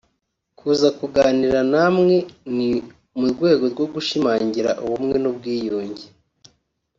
Kuza kuganira namwe ni mu rwego rwo gushimangira ubumwe n’ubwiyunge